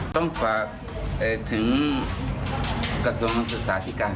ต้องฝากถึงกระทรวงศึกษาธิการ